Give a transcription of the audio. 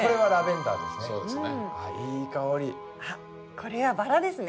これはバラですね。